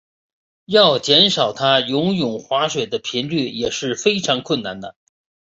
要减少他游泳划水的频率也是非常困难的。